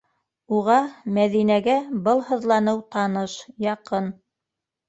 Уға, Мәҙинәгә, был һыҙланыу таныш, яҡын.